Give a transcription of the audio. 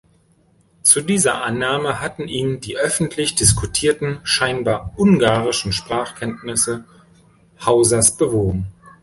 Zu dieser Annahme hatten ihn die öffentlich diskutierten, scheinbar ungarischen Sprachkenntnisse Hausers bewogen.